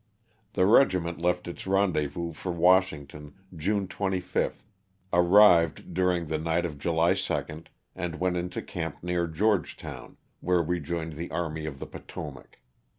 The regiment left its rendez vous for Washington, June 25, arrived during the night of July 2, and went into camp near Georgetown, where we joined the Army of the Potomac.